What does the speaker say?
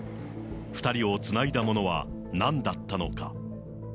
２人をつないだものはなんだったのか。